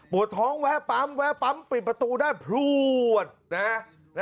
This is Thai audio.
วดท้องแวะปั๊มแวะปั๊มปิดประตูได้พลวดนะฮะ